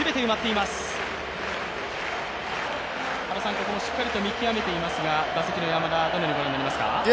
ここもしっかり見極めていますが、打席の山田、どのようにご覧になりますか？